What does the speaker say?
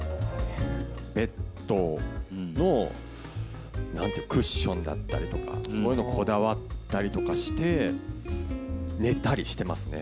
ベッドのなんて言うの、クッションだったりとか、そういうのこだわったりとかして、寝たりしてますね。